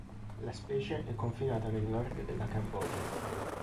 La specie è confinata nel nord della Cambogia.